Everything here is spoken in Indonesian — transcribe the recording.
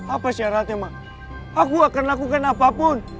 apa syaratnya mak aku akan lakukan apapun